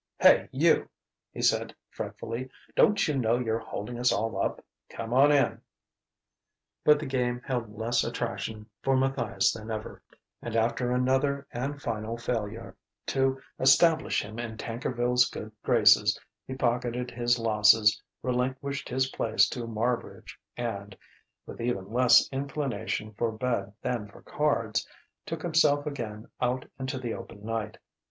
"Hey, you!" he called fretfully. "Don't you know you're holding us all up? Come on in...." But the game held less attraction for Matthias than ever, and after another and final failure to establish himself in Tankerville's good graces, he pocketed his losses, relinquished his place to Marbridge and with even less inclination for bed than for cards took himself again out into the open night.